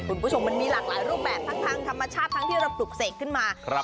คุณผู้ชมมันมีหลากหลายรูปแบบทั้งทางธรรมชาติทั้งที่เราปลุกเสกขึ้นมา